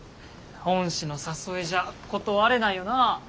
恩師の誘いじゃ断れないよな。